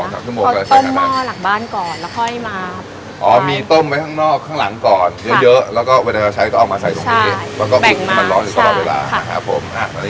๒๓ชั่วโมงต้มมาหลังบ้านก่อนมีต้มเอาออกมาใส่ก็รอดเวลาเวลา